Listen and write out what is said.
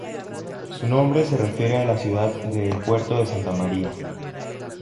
Su nombre se refiere a la ciudad de El Puerto de Santa María.